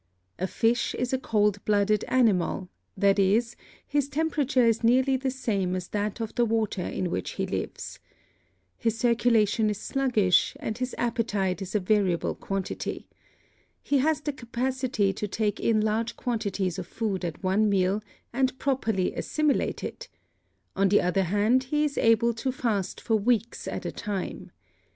A fish is a cold blooded animal; that is, his temperature is nearly the same as that of the water in which he lives. His circulation is sluggish and his appetite is a variable quantity. He has the capacity to take in large quantities of food at one meal and properly assimilate it; on the other hand he is able to fast for weeks at a time.